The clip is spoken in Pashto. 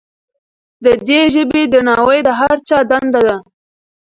د دې ژبې درناوی د هر چا دنده ده.